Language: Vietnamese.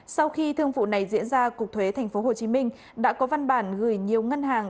sau khi thương vụ này diễn ra cục thuế tp hcm đã có văn bản gửi nhiều ngân hàng